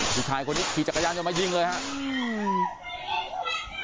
สุดท้ายคนนี้ขี่จักรยานยังไม่ยิงเลยครับ๕นัดนะครับ